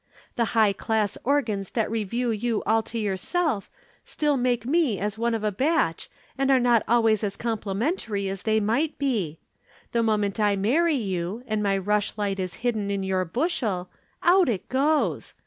The high class organs that review you all to yourself still take me as one of a batch and are not always as complimentary as they might be. The moment I marry you and my rushlight is hidden in your bushel, out it goes.